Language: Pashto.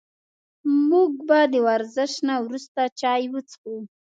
موږ به د ورزش نه وروسته چای وڅښو